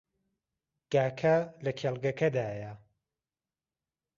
گاکە لە کێڵگەکەدایە.